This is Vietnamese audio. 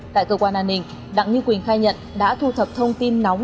tại cơ quan an ninh đặng như quỳnh khai nhận đã thu thập thông tin nóng